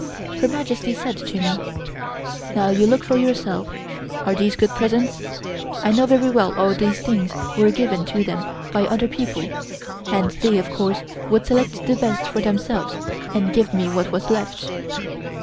Her Majesty said to me: "Now you look for yourself. Are these good presents? I know very well all these things were given to them by other people and they of course would select the best for themselves, and give me what was left.